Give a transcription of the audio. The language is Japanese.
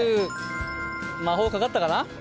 魔法かかったかな？